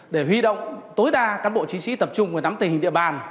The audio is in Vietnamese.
để huy động tối đa các bộ chính sĩ tập trung vào nắm tình hình địa bàn